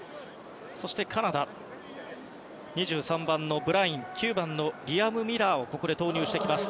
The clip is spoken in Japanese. そしてカナダは２３番のブライン９番のリアム・ミラーをここで投入します。